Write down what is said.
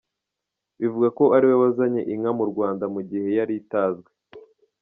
Bivugwa ko ari we wazanye inka mu Rwanda mu gihe yari itazwi.